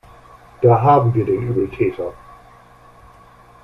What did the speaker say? Da haben wir den Übeltäter.